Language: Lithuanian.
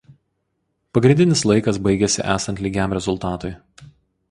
Pagrindinis laikas baigėsi esant lygiam rezultatui.